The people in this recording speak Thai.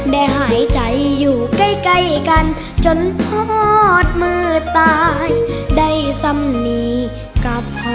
ได้หายใจอยู่ใกล้กันจนทอดมือตายได้สำนีกับพ่อ